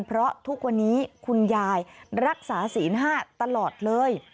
เพราะทุกวันนี้คุณยายรักษาศีล๕ตลอดเลย